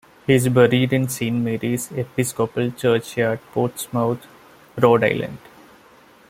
He is buried in Saint Mary's Episcopal Churchyard, Portsmouth, Rhode Island.